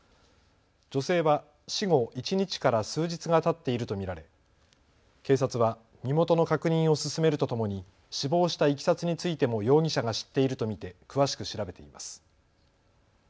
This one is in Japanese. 女性は死後１日から数日がたっていると見られ警察は身元の確認を進めるとともに死亡したいきさつについても容疑者が知っていると見て詳しく調べています。